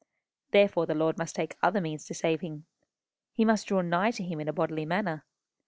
Therefore the Lord must take other means to save him. He must draw nigh to him in a bodily manner.